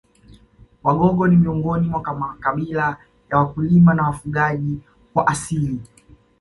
Wagogo ni miongoni mwa makabila ya wakulima na wafugaji kwa asili